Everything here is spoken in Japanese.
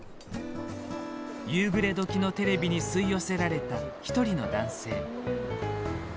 夕暮れ時のテレビに吸い寄せられた１人の男性。